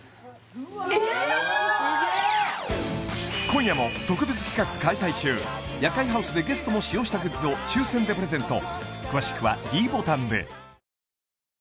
今夜も特別企画開催中夜会ハウスでゲストも使用したグッズを抽選でプレゼント